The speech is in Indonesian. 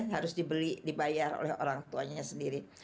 harus dibeli dibayar oleh orang tuanya sendiri